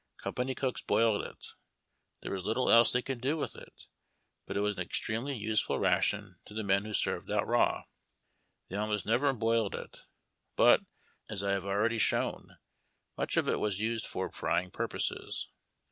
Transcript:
Company cooks boiled it. There was little else they could do with it, but it was an extremely useful ration to the men when served out raw. Tliey almost never boiled it, but, as I have already shown, much of it was used for frying purposes.